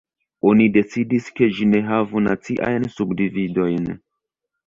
Oni decidis, ke ĝi ne havu naciajn subdividojn.